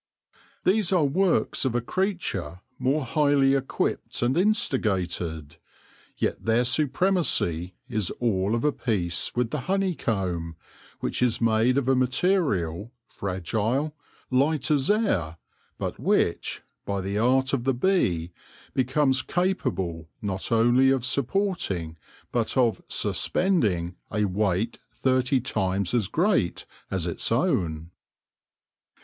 These are works of a creature more highly equipped and instigated ; yet their supremacy is all of a piece with the honeycomb, which is made of a material fragile, light as air, but which, by the art of the bee, becomes capable not only of supporting, but of suspending a weight thirty times as great as its own.